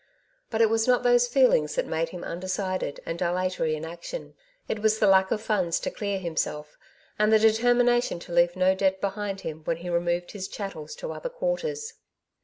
But it was not only these feelings that made him undecided, and dilatory in action ; it was the lack of funds to clear himself, and the determination to leave no debt behind him when he removed his chattels to other quarters.